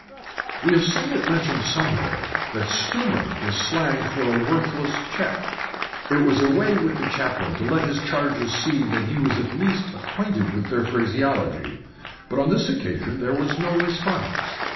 We have seen it mentioned somewhere that "stumer" is slang for a worthless cheque. It was a way with the chaplain to let his charges see that he was at least acquainted with their phraseology. But on this occasion there was no response.